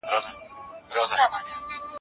احسان نه مني قانون د زورورو